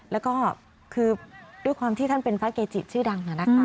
แล้วก็คือด้วยความที่ท่านเป็นพระเกจิชื่อดังนะคะ